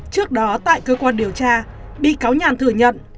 trước đó tại cơ quan điều tra bị cáo nhàn thừa nhận